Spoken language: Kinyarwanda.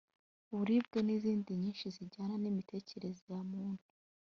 uburibwe n’izindi nyinshi zijyana n’imitekerereze ya muntu